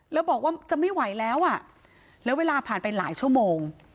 แล้วบอกว่าจะไม่ไหวแล้วอ่ะแล้วเวลาผ่านไปหลายชั่วโมง